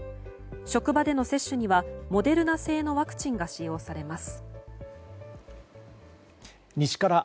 職場での接種にはモデルナ製のワクチンが使用されます。